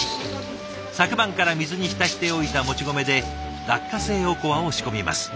昨晩から水に浸しておいたもち米で落花生おこわを仕込みます。